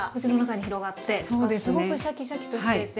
すごくシャキシャキとしていて。